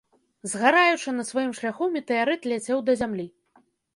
Згараючы на сваім шляху, метэарыт ляцеў да зямлі.